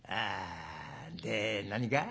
で何か？